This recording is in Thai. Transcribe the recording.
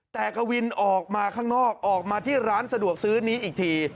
แต่กวินออกมาข้างนอกออกมาที่ร้านสะดวกซื้อนี้อีกที